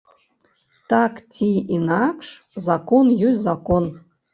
Так ці інакш, закон ёсць закон.